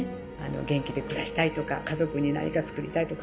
元気で暮らしたいとか家族に何か作りたいとか